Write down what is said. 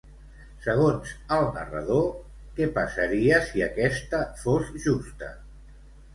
Segons el narrador, què passaria si aquesta fos justa?